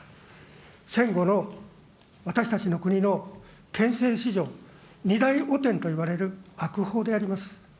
戦後の私たちの国の憲政史上２大汚点といわれる悪法であります。